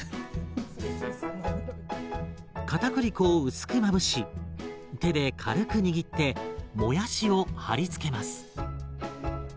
かたくり粉を薄くまぶし手で軽く握ってもやしを貼り付けます。